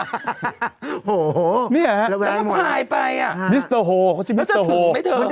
โอ้โหนี่แหละแล้วก็พายไปอ่ะมิสเตอร์โฮเขาจึงมิสเตอร์โฮแล้วจะถึงไหมเถอะ